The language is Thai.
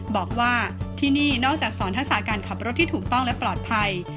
บอกว่าที่นี่นอกจากสอนทักษะการขับรถที่ถูกต้องและปลอดภัย